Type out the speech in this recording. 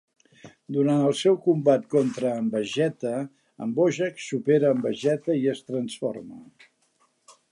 Durant el seu combat contra en Vegeta, en Bojack supera en Vegeta i es transforma.